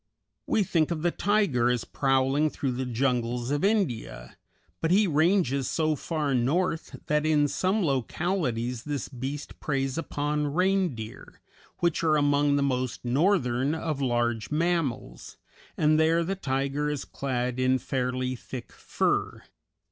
We think of the tiger as prowling through the jungles of India, but he ranges so far north that in some localities this beast preys upon reindeer, which are among the most northern of large mammals, and there the tiger is clad in fairly thick fur.